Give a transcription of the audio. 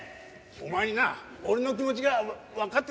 お前にな俺の気持ちがわかってたまるか！